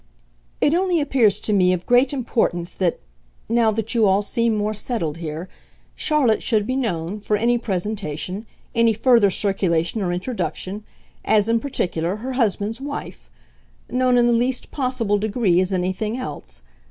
"It only appears to me of great importance that now that you all seem more settled here Charlotte should be known, for any presentation, any further circulation or introduction, as, in particular, her husband's wife; known in the least possible degree as anything else.